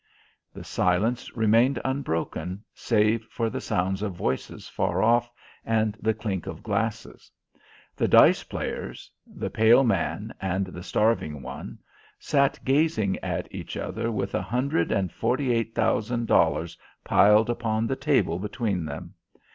The silence remained unbroken, save for the sounds of voices far off, and the clink of glasses. The dice players the pale man and the starving one sat gazing at each other, with a hundred and forty eight thousand dollars piled upon the table between them.